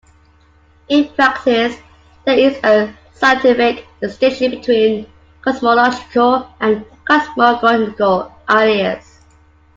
In practice, there is a scientific distinction between cosmological and cosmogonical ideas.